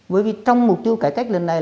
bởi vì trong mục tiêu cải cách lần này